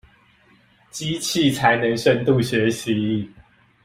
機器才能深度學習